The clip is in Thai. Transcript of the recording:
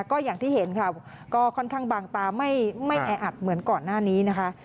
ก็อย่างที่เห็นค่ะก็ค่อนข้างบางตาไม่แออัดเหมือนก่อนหน้านี้นะคะ